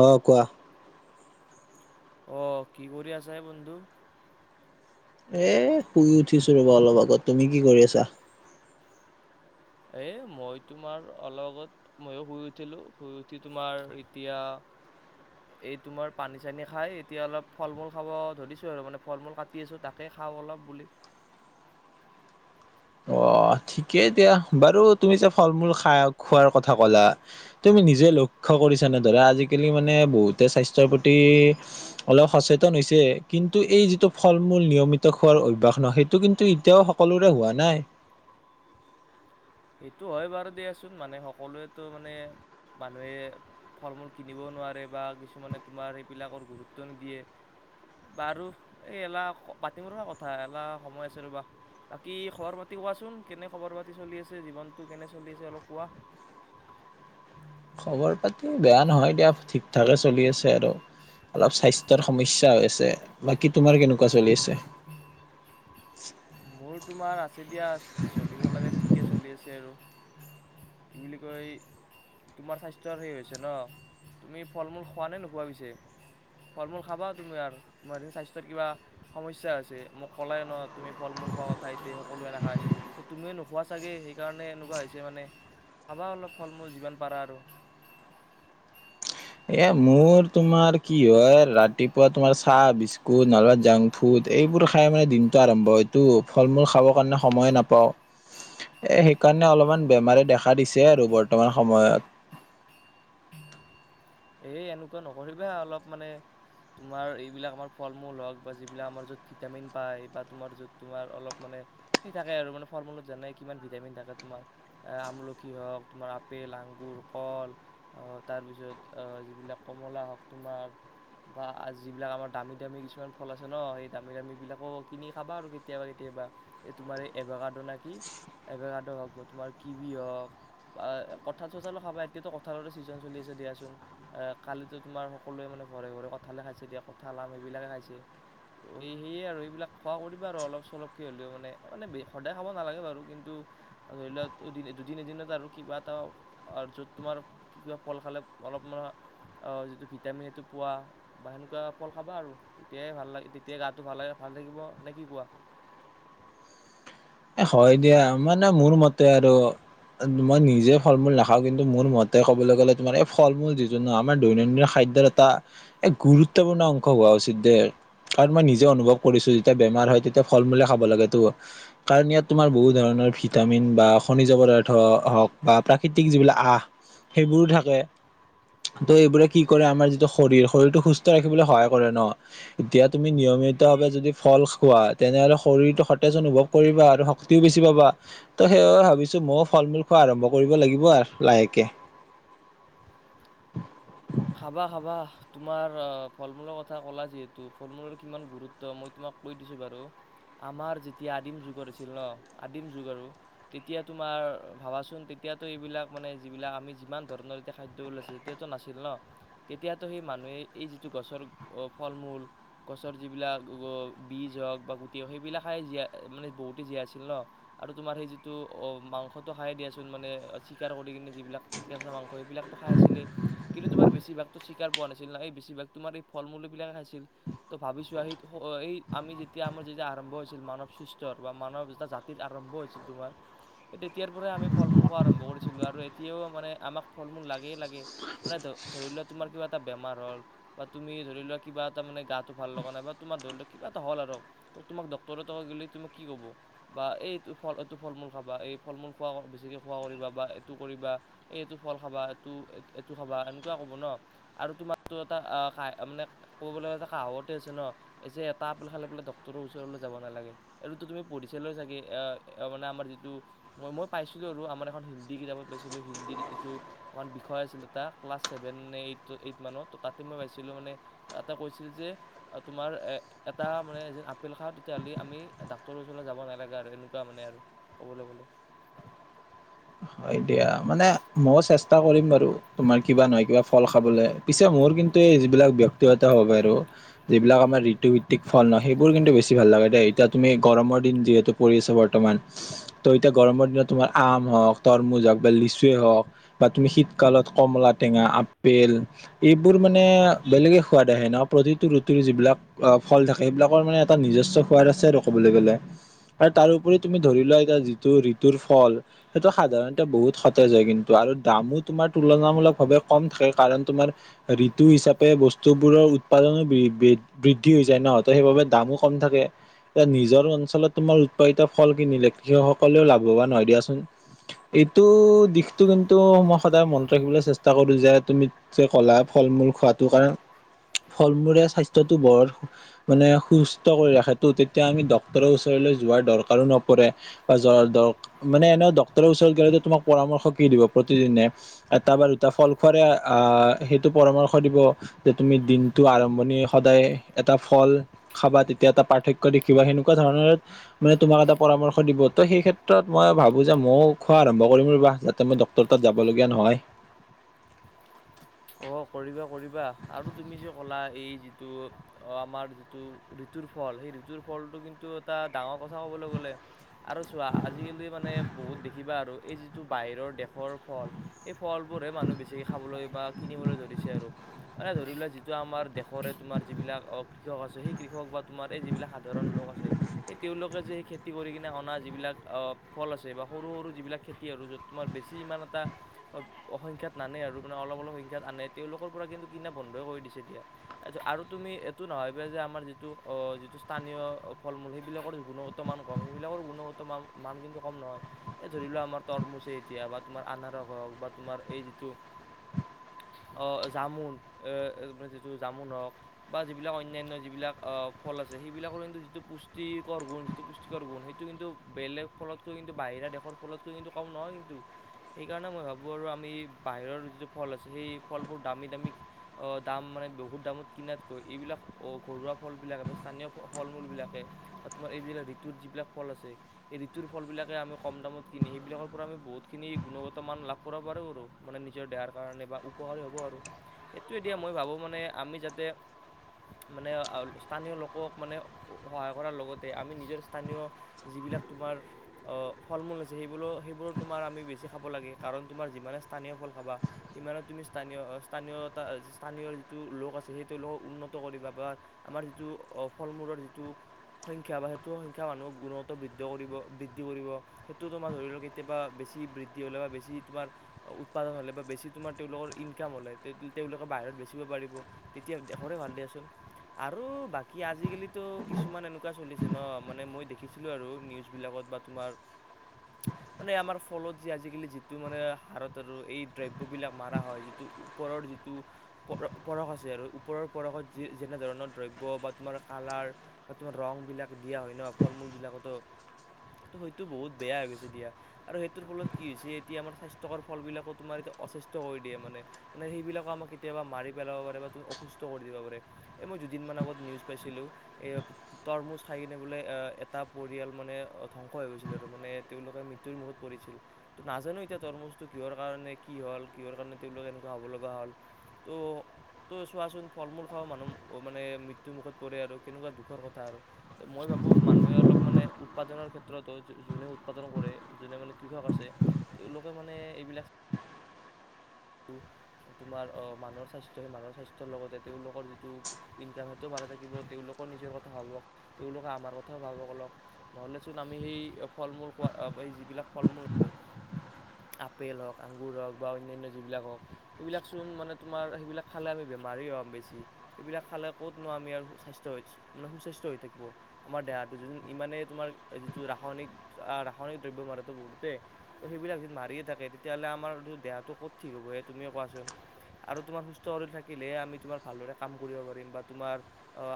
অ' কোৱা। অ' কি কৰি আছা এ বন্ধু? এ শুই উঠিছো ৰ'বা অলপ আগত, তুমি কি কৰি আছা? এ মই তোমাৰ অলগত মইয়ো শুই উঠিলো শুই উঠি তোমাৰ এতিয়া [inaudible] এই তোমাৰ পানী চানী খাই এতিয়া অলপ ফল মূল খাব ধৰিছো আৰু মানে ফল মূল কাটি আছো তাকে খাওঁ অলপ বুলি। অ' ঠিকেই দিয়া বাৰু তুমি যে ফল মূল খাই খোৱাৰ কথা ক'লা, তুমি নিজে লগ লক্ষ্য কৰিচানে ধৰা আজিকালি মানে বহুতে স্বাস্থ্যৰ প্ৰতি অলপ সচেতন হৈছে কিন্তু কিন্তু এই যিটো ফল মূল নিয়মিত খোৱাৰ অভ্যাস নহয়, সেইটো কিন্তু এতিয়াও সকলোৰে হোৱা নাই। সেইটো হয় বাৰু দিয়াচোন, মানে সকলোৱেতো মানে মানুহে, ফল মূল কিনিবও নোৱাৰে বা কিছুমানে তোমাৰ সেইবিলাকৰ গুৰুত্ব নিদিয়ে। বাৰু এই এলা পাতিম ৰবা কথা এলা সময় আছে ৰ'বা। বাকী খবৰ পাতি কোৱাচোন? কেনে খবৰ পাতি চলি আছে? জীৱনটো কেনে চলি আছে অলপ কোৱা? খবৰ পাতি বেয়া নহয় দিয়া ঠিকঠাকে চলি আছে আৰু। অলপ স্বাস্থ্যৰ সমস্যা হৈ আছে। বাকী তোমাৰ কেনেকুৱা চলি আছে? [inaudible] মোৰ তোমাৰ আছে দিয়া, চলিব লাগে ঠিকে চলি আছে আৰু। কি বুলি কয় তোমাৰ স্বাস্থ্যৰ হেৰি হৈছে ন? তুমি ফল মূল খোৱা নে নোখোৱা পিছে? ফল মূল খাবা তুমি আৰু, তোমাৰ এই স্বাস্থ্যৰ কিবা সমস্যা হৈছে মোক ক'লাই ন তুমি। ফল মূল খোৱা কথা এতে সকলোৱে নাখায়, তুমিয়ে নোখোৱা ছাগে সেইকাৰণে এনেকুৱা হৈছে মানে। খাবা অলপ ফল-মূল যিমান পাৰা আৰু। এ মোৰ তোমাৰ কি হয়, ৰাতিপুৱা তোমাৰ চাহ বিস্কুট নহলে বা জাংক ফুড এইবোৰ খাই মানে দিনটো আৰম্ভ হয় টো, ফল মূল খাবৰ কাৰণে সময়ে নাপাওঁ। এ সেইকাৰণে অলপমান বেমাৰে দেখা দিছে আৰু বৰ্তমান সময়ত। এ এনেকুৱা নকৰিবা অলপ মানে তোমাৰ এইবিলাক আমাৰ ফল-মূল হওঁক বা যিবিলাক আমাৰ য'ত ভিটামিন পায় বা তোমাৰ য'ত তোমাৰ অলপ মানে সেই তাকে আৰু মানে ফল-মূলত জানাই কিমান ভিটামিন থাকে তোমাৰ আমলখি হওঁক তোমাৰ আপেল আঙুৰ হওঁক তাৰপিছত যিবিলাক কমলা হওঁক তোমাৰ বা যিবিলাক আমাৰ দামী দামী কিছুমান ফল আছে ন, সেই দামী দামী বিলাকো কিনি খাবা আৰু কেতিয়াবা কেতিয়াবা। এই তোমাৰ এই এভকাদো নে কি এভকদো হওঁক বা তোমাৰ কিবি হওঁক বা কঁঠাল চঠালো খাবা, এতিয়াতো কঁঠালৰো ছিজন চলি আছে দিয়াচোন। এ কালিতো তোমাৰ সকলোৱে মানে ঘৰে ঘৰে কঁঠালে খাইছে দিয়া কঁঠাল আম সেইবিলাকে খাইছে। ত সেয়ে আৰু এইবিলাক খোৱা কৰিবা আৰু, অলপ চলপকে হ'লেও মানে মানে সদায় খাব নালাগে বাৰু। কিন্তু ধৰি লোৱা দুদিন এদিনত আৰু কিবা এটা য'ত তোমাৰ কিবা ফল খালে অলপমান অ' যিটো ভিটামিন সেইটো পোৱা বা সেনেকুৱা ফল খাবা, আৰু তেতিয়াহে ভাল লাগে তেতিয়াহে গাটো ভাল লাগে। ভাল ভাল থাকিব নে কি কোৱা? এ হয় দিয়া, মানে মোৰ মতে আৰু মই নিজে ফল-মূল নাখাওঁ, কিন্তু মোৰ মতে ক'বলৈ গ'লে তোমাৰ, এই ফল-মূল যিটো নহয় আমাৰ দৈনন্দিন খাদ্য দৰে এটা গুৰুত্বপূৰ্ণ অংশ হোৱা উচিত। কাৰণ মই নিজে অনুভৱ কৰিছো যেতিয়া বেমাৰ হয় তেতিয়া ফল-মূলে খাব লাগেটো। কাৰণ ইয়াত তোমাৰ বহুত ধৰণৰ ভিটামিন বা খনিজ পদাৰ্থ হওঁক বা প্ৰাকৃতিক যিবিলাক আহ সেইবোৰো থাকে। ত' এইবোৰে কি কৰে আমাৰ যিটো শৰীৰ, শৰীৰটো সুস্থ ৰাখিবলৈ সহায় কৰে ন। এতিয়া তুমি নিয়ম নিয়মিতভাৱে যদি ফল খোৱা তেনেহ'লে শৰীৰটো সতেজ অনুভৱ কৰিবা, আৰু শক্তিও বেছি পাবা। ত' সেইবাবে ভাবিছো ময়ো ফল-মূল খোৱা আৰম্ভ কৰিব লাগিব আৰু লাহেকে। কে [inaudible] খাবা খাবা, তোমাৰ অ' ফল-মূলৰ কথা ক'লা যিহেতু ফল-মূলৰ কিমান গুৰুত্ব মই তোমাক কৈ দিছো বাৰু। আমাৰ যেতিয়া আদিম যুগৰ আছিল ন আদিম যুগ আৰু তেতিয়া তোমাৰ ভাবাচোন এতিয়াতো এইবিলাক মানে যিবিলাক আমি যিমান ধৰণৰ এতিয়া খাদ্য ওলাইছিল তেতিয়াতো নাছিল ন। তেতিয়াতো সেই মানুহে এই যিটো গছৰ ফল-মূল গছৰ যিবিলাক হওঁক বীজ হওঁক বা গুটিই হওঁক সেইবিলাকে জীয়াই মানে বহুতেই জীয়াই আছিল ন। আৰু তোমাৰ সেই যিটো অ' মটো খ মানে চাৰ কৰিনে যিলাক কেঁচা মাংস সেইবিলাকটো খ আছিলে কিন্ত তোমাৰ বেছি ভাগো চিকাৰ পোৱা নাছিল ন এই বেছি ভাগ তোমাৰ এই ফল মূল বিলাকে আছিল ত ভাবিছো আহি আমি যেতিয়া আমাৰ যেতিয়া আৰম্ভ হৈছিল মানৱ সৃষ্টৰ বা মানৱ যে জাতিত আৰম্ভ হৈছিল তোমাৰ কি তেতিয়াৰ পৰাই আমি ফল মূল খ আৰম্ভ কৰিছিলো আৰু এতিয়াও মানে আমাক ফল মূল লাগেই লাগে, মানে ধৰি লোৱা তোমাৰ কিবা এটা বেমাৰ হ'ল, বা তুমি ধৰি লোৱা কিবা এটা মানে গাটো ভাল লগা নাই, বা তোমাৰ ধৰি লৱা কিবা এটা হ'ল আৰু, ত তোমাক ডক্টৰৰ ততে গ'লে তোমাক কি ক'ব বা এইটো ফল এইটো ফল-মূল খাবা এই ফল-মূল খোৱা বেছিকৈ খোৱা কৰিবা বা এইটো কৰিবা এই এইটো ফল খাবা এইটো এইটো খাবা এ কুৱা ক'ব ন আৰু তোমাৰো এটা মানে ক'ব এটা সাহতে আছে ন যে এ খালে পেললে ডটৰৰ ওচৰলৈ যাব নালাগে আৰু তুমি পঢিছাালৈ চাগে এ মানে আমাৰ যিটো ম মই পাইছিলো আৰু আমাৰ এখন হিন্দী কিতাপত পাইছিলো হিন্দী এইটো আমাৰ বিষয় আছিল তটা ক্লাছ চছেভেন নে এইট এইট মানৰ ত তাতে মই পাইছিলোঁ মানে তাতে কৈছিল যে তোমাৰ এটা মানে এ আপেল খাওঁ তেতিয়াহ'লে আমি ডাক্তৰৰ ওচৰলৈ যাব নালাগে আৰু এনেকুৱা মানে আৰু ক'ব ল। [inaudible] হয় দিয়া মানে মই চেষ্টা কৰিম বাৰু তোমাৰ কিবা নহয় কিবা ফল খাবলে পিছে মোৰ কিু কিন্তু এই যিবিলাক্য়িগত হব আৰু যিবিলাক আমাৰ ঋতু ভিত্তিক ফল ন সেইবোৰ কিন্তু বেছি ভাল লাগে দেই। এতিয়া তুমি গৰমৰ দিন যিহেতু পৰি আছ বৰ্তমান, ত' এতিয়া গৰমৰ দিনত তোমাৰ আম হওক তৰমুজ হওক বা লিচুৱে হওঁক বা তুমি শীতকালত কমলা টেঙা আপেল, এইবোৰ মানে বেলেগে সোৱাদ আহে ন প্ৰতিটো ৰুটিৰ যিবিলাক ফল থাকে সেইবিলাকৰ মানে এটা নিজস্ব সাদ আছে আৰু কবলে গলে, তাৰ উপৰি তুমি ধৰি লোৱা এতিয়া যিতোৰ ৠতুৰ ফল সেটো সাধাৰণতে বহুত সতেজ হয় কিন্তু আৰু দামো তোমাৰ তুলনামূলক ভাৱে কম থাকে কাৰণ তোমাৰ ঋতু হিচাপে বস্তুবোৰৰ উৎপাদনো বৃদ্ধি হৈ যায় নহত সেইবাবে দামো কম থাকে। এতি নিজৰ অঞ্চলত তোমাৰ উৎপাদিত ফল কিনিলে কৃষকসকলেও লাভৱান হয় দিয়াচোন। এইটো দিশতটো কিন্তু মই সদায় মনত ৰাখিবলৈ চেষ্টা কৰো যে তুমি ক'লা ফল মোৰ খোৱাটো কাৰণে ফল মূৰে স্বাস্থ্যতটো বৰ মানে সুস্থ কৰি ৰাখেতটো তেতিয়া আমি ড্ক্তৰৰ ওচৰ যোৱাৰ দৰকাৰো নপৰে, বা য মানে এনে ওচৰত গ তোমাক পৰামৰ্শ কি দিব প্ৰতিদিনে এটা বা দুটা ফল খুৱ সেইটো পৰামৰ্শ দিব যে তুমি দিনটো আৰম্ভণি সদায় এটা ফল খাবা তেতিয়া এটা প পাৰ্থক্্য দেখিবা সেনেকুৱা ধৰণ মানে তোমাক এটা পৰামৰ্শ দিব ত সেই ক্ষেত্ৰত মই ভাবো যে মই খোৱা আৰম্ভ কৰিম ৰ বাহ যাতে মই ড্টৰ তাত যাব লগীয়া নহয়। অ' কৰিবা কৰিবা আৰু তুমি যে ক'লা এই যিটো অ' আমাৰ যিটো ঋতুৰ ফল সেই ঋতুৰ ফলটো কিন্তু এটা ডাঙৰ কথা ক'বলৈ গ'লে আৰু চোৱা আজিকালি মানে বহুত দেখিবা আৰু এই যিটো বাহিৰৰ দেশৰ ফল সেই ফল বোৰৰে মানুহ বেছিকৈ খাবলৈ বা কিনিবলৈ ধৰিছে আৰু, মানে ধৰি লেলোৱা যিটো আমাৰ দেশৰে তোমাৰ যিবিলাক কৃষক আছে সেই কৃষক বা তোমাৰ যিবিলাক সাধাৰণ লোক আছে, সেই তেওঁলোক যে সেই খেতি কৰি কিনে অনা যিবিলাক অ ফল আছে বা সৰু সৰু যিবিলাক খেতি আৰু য'ত তোমাৰ বেছি ইমান এটা অসংখ্যাত নানে আৰু মানে অলপ অলপ সংা াত আনে তেওঁলোকৰ পৰা কিন্তু কিনা বন্ধইে কৰি দিছে দিয়া আৰু তুমি এইটো নাভাবিবা যে আমাৰ যিটো যিটো স্থানীয় ফল মূল সেইবিলাকৰ গুণগত মান কম সেইবিলাকৰ গুণগত মান মান কিন্তু কম নহয়। এই ধৰি লোৱা আমাৰ তৰমুচে এতিয়া বা তোমাৰ আৰস হওক বা তোমাৰ এই যিটো জামুন যিটো জামুন হওক বা যিবিলাক অন্যান্য যিবিলাক ফল আছে সেইবিলাকৰ কিন্তু যিটো পুষ্টিকৰ গুণ যিটো পুষ্টিকৰ গুণ সেইটো কিন্তু বেলেগ ফলতকৈ কিন্তু ব বাহিৰা দেশৰ ফলতকৈ কিন্তু কম নহয় কিন্তু, সেইকাৰণে মই ভাবোঁ আৰু আমি বাহিৰৰ যিটো ফল আছে সেই ফলবোৰ দামী দামী দাম মানে বহুত দামত কিনাতকৈ এইবিলাক ঘৰুৱা ফল স্থ ফল মলবাক তোমাৰ এইবিলাক ঋত যিবিলাক ফল আছে ঋত ফলবাকে আমি কম দামত কিনি সেইবিলাকৰ পৰা আমি বহুতখিনি গুণগত মান লাভ কৰিব পাৰো আৰু মানে নিজৰ দেহাৰ কাৰণে। বা উপহাৰী হ'ব আৰু, সেইটো এতিয়া মই ভাবোঁ মানে আমি যাতে মানে স্থানীয় লোকক মানে সহায় কৰাৰ লগতে আমি নিজৰ স্থানীয়ি সেইবিলাক তোমাৰ, আ ফল মূল আছে সেইবোৰ সেইবোৰৰ তোমাৰ আমি বেছি খাব লাগে কাৰণ তোমাৰ যিমানেই পনীয় ফল খাবা। ইমানত তুমি স্থানীয় স্থানীয় স্থানীয় যিটো লোক আছে সেইটো লোকক উন্নত কৰিবা বা আমাৰ যিটো অ' ফল মূলৰ যিটো সংখ্যা বা সেইটো সংখ্যা মানুহক গুণত বৃদ্ধ কৰিব বৃদ্ধি কৰিব সেইটো তোমাৰ ধৰি লওক কেতিয়াবা বেছি বেছি বৃদ্ধি হ'লে বা বছি তোমাৰ, অ' উৎপাদন হলে বা বছি তোমাৰ তেওঁলোকৰ ইনকাম হ'ললে তেওঁলোকে বাহিৰত বেচিব পাৰিব তেতিয়া দখৰে ভাল দিয়াচোন। আৰু বাকী আজিকালিতো কিছুমান এনেকুৱা চলিছে ন মানে মই দেখিছিলো আৰু নিউজ বিলাকত বা তোমাৰ, মানে আমাৰ ফলত যে আজালি যিটো মানে হাৰত আৰু দ্ৰব বিলাক মাৰা হয় যিটো ওপৰৰ যিটো পৰ পৰশ আছে আৰু ওপৰৰ পৰশত যি যেনেধৰণৰ দ্ৰব্যয় বা তোমাৰ কালাৰ বা, তোমাৰ ৰং বিলাক দিয়া হয় ন ফল মূল বিলাকতো। ত সেইটো বহুত বেয়া হৈ গৈছে দিয়া আৰু সেইটোৰ ফলত কি হৈছে এতিয়া আমাৰ স্বাস্থ্যকৰ ফল বিলাকো তোমাৰ এতিয়া অস্বস্থ্ কৰি দিয়ে মানে, মানে সেইবিলাকে আমাক কেতিয়াবা মাৰি পেলাব পাৰে বা তুমি অসুস্থ কৰি দিব পাৰে। দুদিন আগত নিউজ পাইছিলো এ তৰমুজ খাই কিনে বোলে এটা পৰিয়াল মানে ধংস হৈ গৈছিলে ত মানে তেওঁলোকে মৃত্্যুৰ মুখত পৰিছিল ত নাজানো এতিয়া তৰমুজটো কিহৰ কাৰণে কি হ'ল কিহৰ কাৰণে তেওঁলোক এনেকুৱা হ'ব লগা হ'ল। ত' ত' চোৱাচোন ফল মূল খাও মানুহ মানে মৃত্্যু মুখত পৰে আৰু কেনেকুৱা দুখৰ কথা। মই ভাবো মানুহে অলপ মানে উৎপাদনৰ ক্ষেত্ৰতো যোনে উৎপাদন কৰে যোনে মানে শৃ্ষক আছে, তেওঁলোকে মানে এইবিলাক [unintelligible] তোমাৰ অ' মানুহৰ স্বাস্থ্য় সেই মানুহৰ স্বাস্থ্ৰ লগতে তেওঁলোকৰ যিটো ইনকাম সেইটো ভঢ়া থাকিব তেওঁলোক নিজৰ কথা ভাবক, তেওঁলোকে আমাৰ কথা ভাবক অলপ, নহ'লেচোন আমি সেই ফল মূল খোৱা যিবিলাক ফল মূল, আপেল হওক আগুৰ হওক বা অন্যান্য যিবিলাক হওক সেইবিলাক চোন মানে তোমাৰ সেইবিলাক খালে আমি বেমাৰী হ'ম বেছি, সেইবিলাক খালে ক'ত নোৱাৰ আমি আৰু সু স্বাস্থ্ মানে সুস্বাস্য় হৈ থাকিব আমাৰ দেহাটো য ইমানে তোমাৰ যিটো ৰাসায়নিক ৰাসায়নিক দব্য মাৰতো বহুতে ত সেইবিলাক যদি মাৰিয়ে থাকে তেতিয়াহ'লে আমাৰ দেহটো ক'ত ঠিক হ'ব এই, তুমিয়ে কোৱাচোন। আৰু তোমাৰ সুস্থ শৰীৰ থাকিলে আমি তোমাৰ ভালদৰেই কাম কৰিব পাৰিম বা তোমাৰ,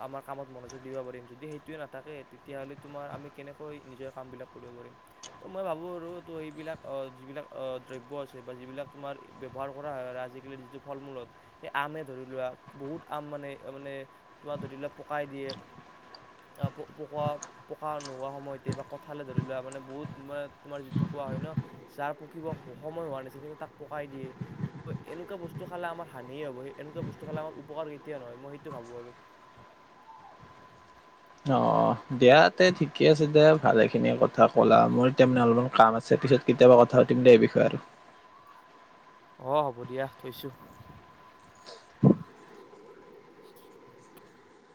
আমাৰ কামত মন য সেইটোয়ে নাথাকে তেতিয়াহলে তোমাৰ আমি কেনেকৈ নিজৰ কাম বিলাক কৰিব পাৰিম ত মই ভাবো সো সেইবিলাক অ' যিবিলাক অ দ্ৰব্য আছে বা যিবিলাক তোমাৰ ব্য্ৱহাৰ কৰা হয় আজিকালি যিটো ফল মূলত সেই আমে ধৰি লোৱা বহুত আম মানে মানে তুৱা ধুতিবিলাক পকাই দিয়ে। অ' প পোক পোক নোহোৱা সময়তে বা কঁঠালে ধৰি লোৱা মানে বহুত মানে তোমাৰ যিটো পোৱা হয় ন, যাৰ পকিব সময় হোৱা নাছিল কিন্তু তাক পকাই দিয়ে। এনেকুৱা বস্তু খালে আমাৰ হানিয়ে হব সেই এনেকুৱা বস্তু খালেমাৰ উপকাৰ কেতিয়া নহয়, মই সেইটো ভাবো আৰু। [inaudible] অ' দিয়া তে ঠিকে আছে দে ভালেখিনিয়ে কথা ক'লা, মোৰ তাৰমানে অলপমান কাম আছে পিছত কেতিয়াবা কথা পাতিম দেই এই বিষয়ে। [inaudible] অ' হ'ব দিয়া থৈছো।